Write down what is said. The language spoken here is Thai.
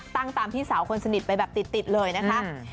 ตามพี่สาวคนสนิทไปแบบติดเลยนะคะ